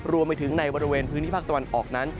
รวมไปถึงในบริเวณพื้นที่ภาคตะวันออกนั้น